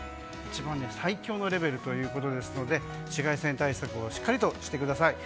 一番最強のレベルということですので紫外線対策をしっかりとしてください。